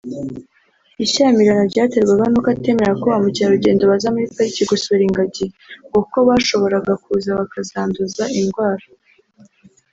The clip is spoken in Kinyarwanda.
Ishyamirana ryaterwaga nuko atemeraga ko ba mkerarugendo baza muri pariki gusura ingagi ngo kuko bashoboraga kuza bakazanduza indwara